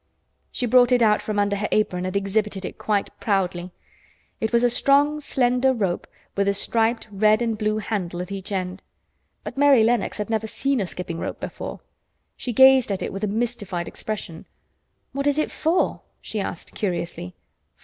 She brought it out from under her apron and exhibited it quite proudly. It was a strong, slender rope with a striped red and blue handle at each end, but Mary Lennox had never seen a skipping rope before. She gazed at it with a mystified expression. "What is it for?" she asked curiously.